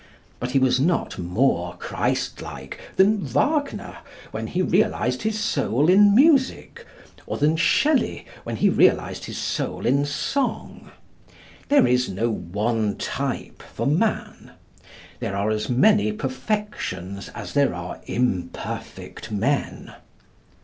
But he was not more Christlike than Wagner when he realised his soul in music; or than Shelley, when he realised his soul in song. There is no one type for man. There are as many perfections as there are imperfect men.